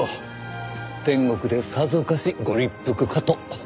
天国でさぞかしご立腹かと。